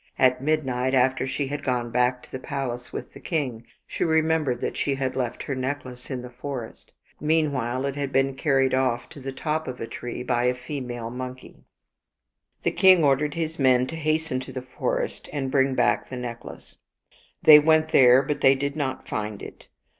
At midnight, after she had gone back to the pal ace with the king, she remembered that she had left her necklace in the forest. Meanwhile it had been carried oflF to the top of a tree by a female monkey. The king ordered his men to hasten to the forest and bring back the necklace. They went there, but they did not find it.